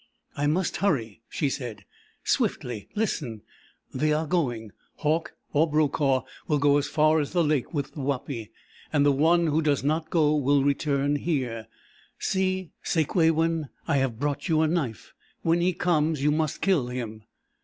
"I must hurry," she said, swiftly. "Listen! They are going! Hauck or Brokaw will go as far as the lake with Wapi, and the one who does not go will return here. See, Sakewawin I have brought you a knife! When he comes you must kill him!"